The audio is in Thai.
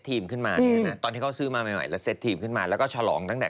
ยิ่งกว่ารวยหุ้นหลีกยิ่งกว่า